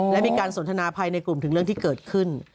และมีการสนทนาภายในกลุ่มถึงเรื่องที่เกิดขึ้น